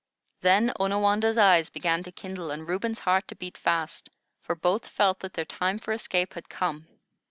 Then Onawandah's eyes began to kindle, and Reuben's heart to beat fast, for both felt that their time for escape had come.